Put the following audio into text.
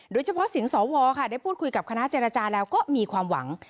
โดยเฉพาะเสียงสวค่ะได้พูดคุยกับคณะเจรจาแล้วก็มีความหวัง